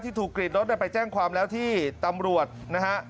ถูกกรีดรถไปแจ้งความแล้วที่ตำรวจนะฮะ